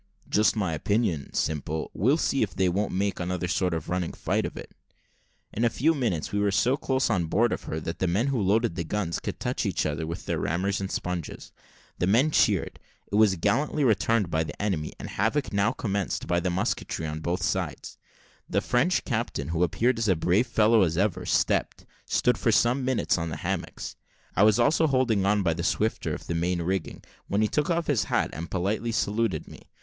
"Just my opinion, Simple; we'll see if they won't make another sort of running fight of it." In a few minutes we were so close on board of her that the men who loaded the guns could touch each other with their rammers and sponges. The men cheered; it was gallantly returned by the enemy, and havoc was now commenced by the musketry on both sides. The French captain, who appeared as brave a fellow as ever stepped, stood for some minutes on the hammocks: I was also holding on by the swifter of the main rigging, when he took off his hat and politely saluted me.